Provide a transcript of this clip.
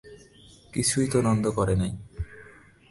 কিছুই তো নন্দ করে নাই।